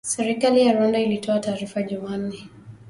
Serikali ya Rwanda ilitoa taarifa Jumanne